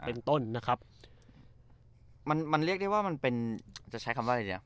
เป็นต้นนะครับมันมันเรียกได้ว่ามันเป็นจะใช้คำว่าอะไรดีอ่ะ